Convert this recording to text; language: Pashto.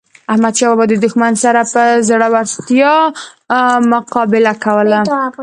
احمد شاه بابا د دښمن سره په زړورتیا مقابله کوله.